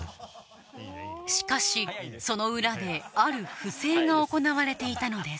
しかしその裏である不正が行われていたのです